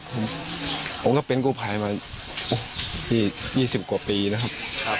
ผมก็เป็นกู้ภัยมาอุ๊ยยี่สิบกว่าปีนะครับ